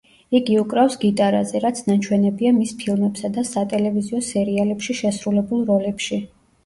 იგი უკრავს გიტარაზე, რაც ნაჩვენებია მის ფილმებსა და სატელევიზიო სერიალებში შესრულებულ როლებში.